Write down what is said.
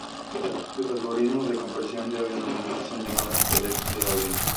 Los algoritmos de compresión de audio normalmente son llamados códecs de audio.